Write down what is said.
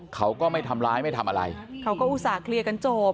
เขาก็ไม่ทำร้ายไม่ทำอะไรเขาก็อุตส่าห์เคลียร์กันจบ